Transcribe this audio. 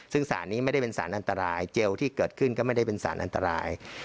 ซึ่งสารนี้ไม่ได้เป็นสารอันตรายเจลที่เกิดขึ้นก็ไม่ได้เป็นสารอันตราย